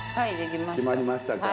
決まりましたか？